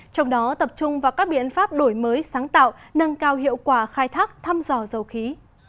trong đó tập trung vào các biện pháp đổi mới sáng tạo nâng cao hiệu quả khai thác thăm dò dầu khí